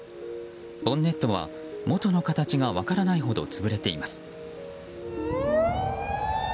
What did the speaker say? ボンネットは、もとの形が分からないほど潰れています。